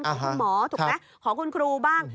ของคุณหมอถูกไหมขอคุณครูบ้าง